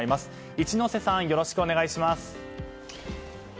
一之瀬さんよろしくお願いします。